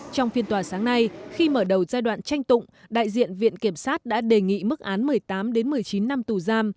trong phiên tòa sáng nay khi mở đầu giai đoạn tranh tụng đại diện viện kiểm sát đã đề nghị mức án một mươi tám một mươi chín năm tù giam